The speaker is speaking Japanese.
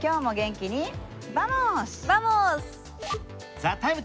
「ＴＨＥＴＩＭＥ，」